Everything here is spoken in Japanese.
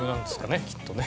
きっとね。